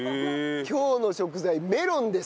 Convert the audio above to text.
今日の食材メロンです。